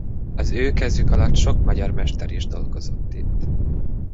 Az ő kezük alatt sok magyar mester is dolgozott itt.